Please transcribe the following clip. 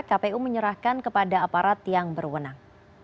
kpu menyerahkan kepada aparat yang berwenang